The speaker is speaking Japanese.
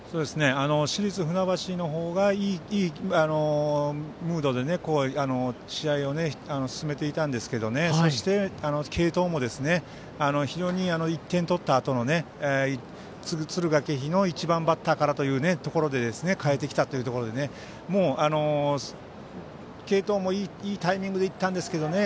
市立船橋の方がいいムードで試合を進めていたんですけどそして継投も、非常に１点取ったあとの敦賀気比の１番バッターからというところで代えてきたというところで継投も、いいタイミングでいったんですけどね